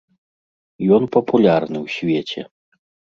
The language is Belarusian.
Ён папулярны ў свеце.